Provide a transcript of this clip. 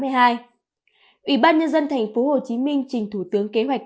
ủy ban nhân dân thành phố hồ chí minh trình thủ tướng kế hoạch